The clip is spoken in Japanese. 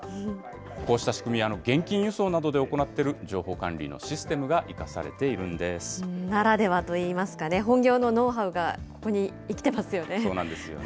こうした仕組みは、現金輸送などで行っている情報管理のシステムが生かされているんならではといいますかね、本業のノウハウがここに生きてますよね。